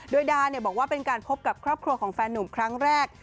โดยดาบอกว่าเป็นการพบกับครอบครัวของแฟนหนุ่มครั้งแรก